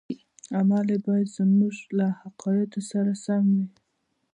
عمل یې باید زموږ له عقایدو سره سم وي.